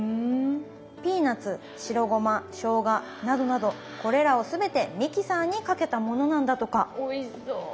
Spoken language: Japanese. ピーナツ白ごましょうがなどなどこれらを全てミキサーにかけたものなんだとかおいしそう。